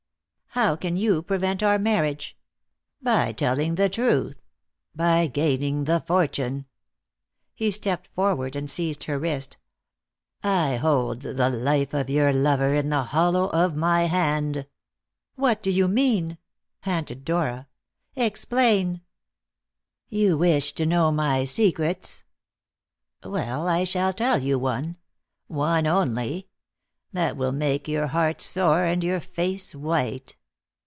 "How can you prevent our marriage?" "By telling the truth by gaining the fortune!" He stepped forward and seized her wrist. "I hold the life of your lover in the hollow of my hand!" "What do you mean?" panted Dora. "Explain!" "You wish to know my secrets. Well, I shall tell you one one only that will make your heart sore and your face white.